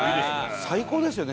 最高ですよね